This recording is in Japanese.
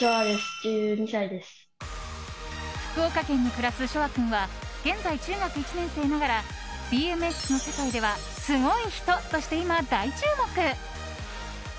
福岡県に暮らす翔海君は現在、中学１年生ながらＢＭＸの世界ではすごい人として今、大注目。